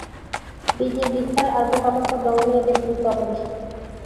বীজের বিস্তার আর পোকামাকড় দমনে এদের গুরুত্ব অপরিসীম।